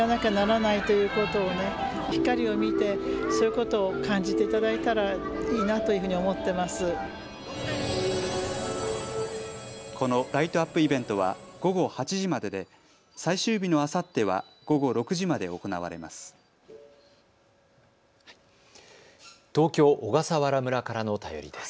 このライトアップイベントは午後８時までで最終日のあさっては午後６時まで行われます。